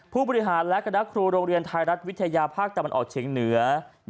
ผู้บริหารและคณะครูโรงเรียนไทยรัฐวิทยาภาคตะวันออกเฉียงเหนือ